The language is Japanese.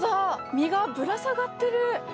実がぶら下がってる！